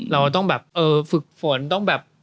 เราต้องแบบเออฝึกฝนต้องแบบ